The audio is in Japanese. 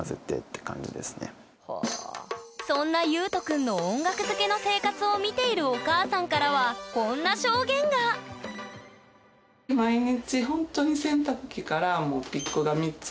そんなユウト君の音楽漬けの生活を見ているお母さんからはこんな証言がそうだね。